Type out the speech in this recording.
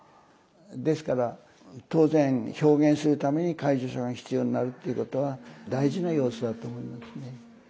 ですから当然表現するために介助者が必要になるっていうことは大事な要素だと思いますね。